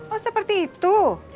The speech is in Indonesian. oh seperti itu